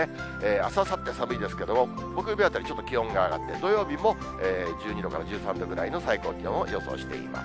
あす、あさって寒いですけど、木曜日あたり、ちょっと気温が上がって、土曜日も１２度から１３度ぐらいの最高気温を予想しています。